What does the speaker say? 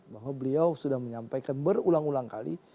bahwa beliau sudah menyampaikan berulang ulang kali